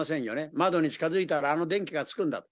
窓に近づいたら、あの電気がつくんだと。